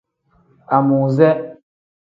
Amuuze.